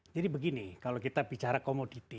jadi begini kalau kita bicara komoditi ya